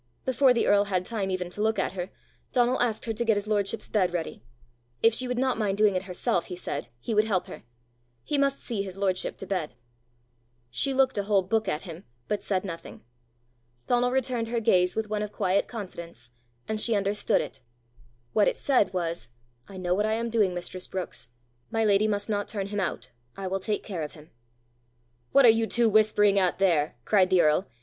Before the earl had time even to look at her, Donal asked her to get his lordship's bed ready: if she would not mind doing it herself, he said, he would help her: he must see his lordship to bed. She looked a whole book at him, but said nothing. Donal returned her gaze with one of quiet confidence, and she understood it. What it said was, "I know what I am doing, mistress Brookes. My lady must not turn him out. I will take care of him." "What are you two whispering at there?" cried the earl.